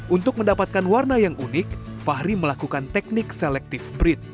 untuk mendapatkan warna yang unik fahri melakukan teknik selective brid